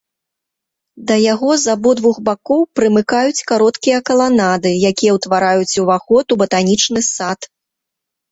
Да яго з абодвух бакоў прымыкаюць кароткія каланады, якія ўтвараюць ўваход у батанічны сад.